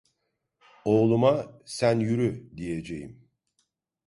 Oğluma, "Sen yürü!" diyeceğim.